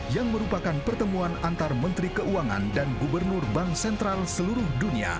yang merupakan pertemuan antar menteri keuangan dan gubernur bank sentral seluruh dunia